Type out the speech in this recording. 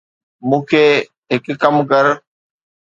مون کي هڪ ڪم ڪر